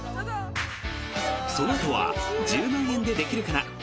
そのあとは「１０万円でできるかな」。